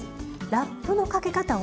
ラップのかけ方を。